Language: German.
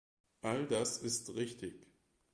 All das ist richtig.